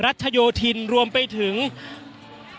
อย่างที่บอกไปว่าเรายังยึดในเรื่องของข้อ